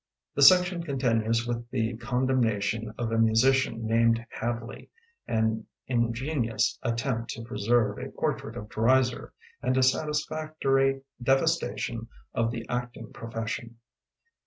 The section continues with the condemna tion of a musician named Hadley, an ingenious attempt to preserve a por trait of Dreiser, and a satisfactory devastation of the acting profession.